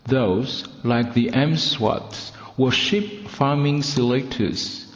Those, like the M'Swats, were sheep farming selectors.